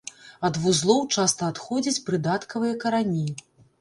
Ад вузлоў часта адходзяць прыдаткавыя карані.